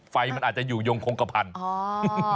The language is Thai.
ไฟมันอาจจะอยู่ยงคงกระพันธุ์